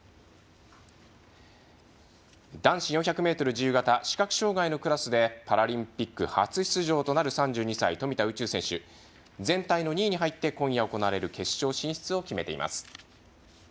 男子４００ｍ自由形視覚障がいのクラスでパラリンピック初出場となる３２歳、富田宇宙選手全体の２位に入って今夜行われる決勝進出を決めています。